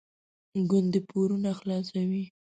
ګوندې پورونه خلاصوي.